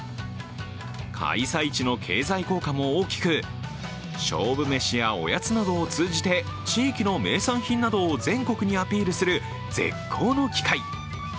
開催地の経済効果も大きく、勝負飯やおやつなどを通じて地域の名産品などを全国にアピールする絶好の機会。